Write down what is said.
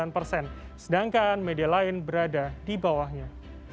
sebesar enam puluh sembilan sedangkan media lain berada di bawahnya